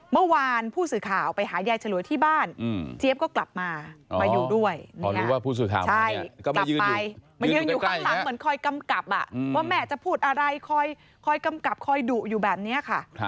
เมื่อวานผู้สื่อข่าวไปหายายฉลวยที่บ้านเจี๊ยบก็กลับมามาอยู่ด้วย